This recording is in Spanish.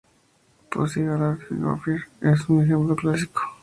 Pussy Galore en "Goldfinger" es un ejemplo clásico.